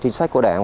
chính sách của đảng